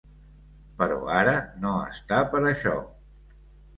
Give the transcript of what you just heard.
Però ara no està per això.